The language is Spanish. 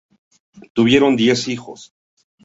Tuvieron diez hijos.